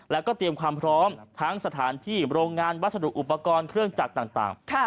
แล้วก็เตรียมความพร้อมทั้งสถานที่โรงงานวัสดุอุปกรณ์เครื่องจักรต่าง